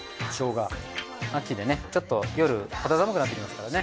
秋でねちょっと夜肌寒くなってきますからね。